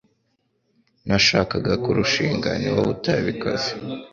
Nashakaga kurushinga Niwowe utabikoze